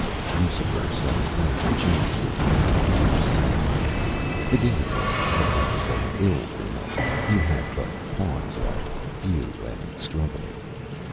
Lucifer sat playing chess with Man for his soul. The game was evidently going ill for Man. He had but pawns left, few and struggling.